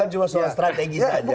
itu kan cuma soal strategi saja